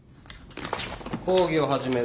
・講義を始める。